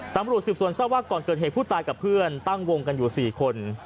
ตำรวจสืบสวนทราบว่าก่อนเกิดเหตุผู้ตายกับเพื่อนตั้งวงกันอยู่๔คน